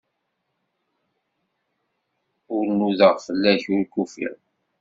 Ur nudaɣ fell-ak, ur k-ufiɣ.